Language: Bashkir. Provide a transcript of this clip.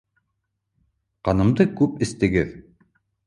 Ҡанымды күп эстегеҙ